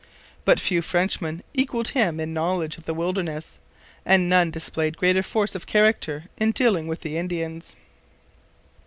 But few Frenchmen equalled him in knowledge of the wilderness, and none displayed greater force of character in dealing with the Indians.